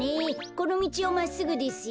このみちをまっすぐですよ。